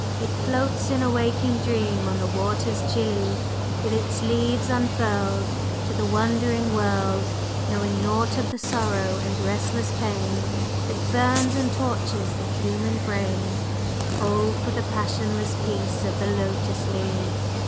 It floats in a waking dream on the waters chilly, With its leaves unfurled To the wondering world, Knowing naught of the sorrow and restless pain That burns and tortures the human brain; Oh, for the passionless peace of the Lotus Lily!